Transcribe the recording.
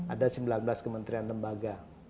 ada sembilan belas kementerian lembaga